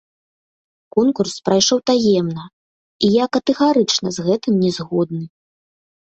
Конкурс прайшоў таемна, і я катэгарычна з гэтым не згодны.